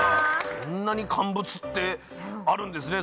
こんなに乾物ってあるんですね。